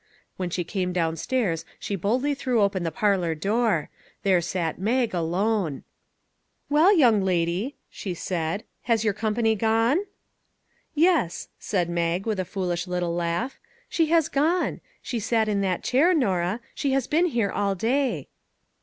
When she came downstairs she boldly threw open the par lor door. There sat Mag alone. 39 MAG AND MARGARET " Well, young lady," she said, " has your company gone ?"" Yes," said Mag, with a foolish little laugh, " she has gone ; she sat in that chair, Norah. She has been here all day."